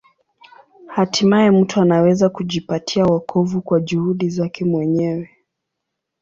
Hatimaye mtu anaweza kujipatia wokovu kwa juhudi zake mwenyewe.